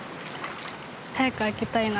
早く開けたいな。